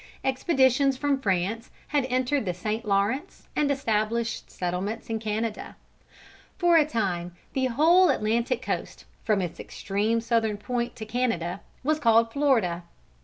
Expeditions from France had entered the St. Lawrence and established settlements in Canada. For a time the whole Atlantic coast, from its extreme southern point to Canada, was called Florida.